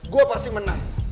gue pasti menang